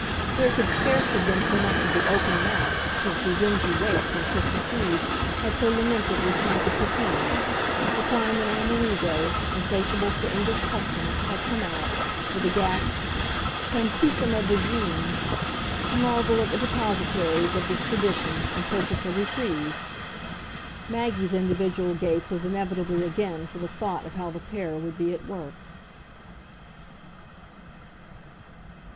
There could scarce have been so much of the open mouth since the dingy waits, on Christmas Eve, had so lamentably chanted for pennies the time when Amerigo, insatiable for English customs, had come out, with a gasped "Santissima Vergine!" to marvel at the depositaries of this tradition and purchase a reprieve. Maggie's individual gape was inevitably again for the thought of how the pair would be at work.